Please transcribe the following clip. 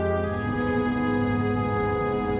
teman kuda aku juga